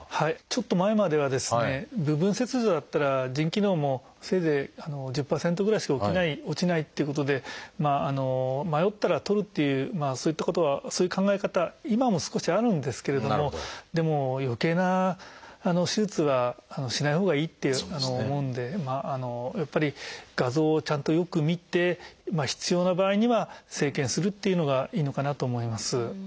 ちょっと前まではですね部分切除だったら腎機能もせいぜい１０％ぐらいしか落ちないっていうことで迷ったらとるっていうそういったことはそういう考え方今も少しあるんですけれどもでもよけいな手術はしないほうがいいって思うんでやっぱり画像をちゃんとよくみて必要な場合には生検するっていうのがいいのかなと思います。